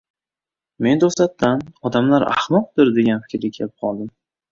Men to‘satdan, odamlar ahmoqdir, degan fikrga kelib qoldim.